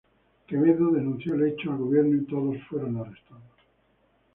Quevedo denunció el hecho al gobierno y todos fueron arrestados.